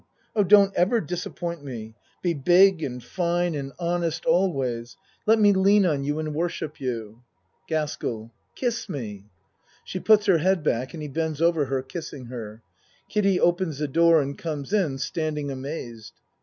Oh, don't ever disappoint me. Be big and fine and honest al ACT III 83 ways let me lean on you and worship you. GASKELL Kiss me. (She puts her head back and he bends over her kissing her. Kiddie opens the door and comes in, standing amazed.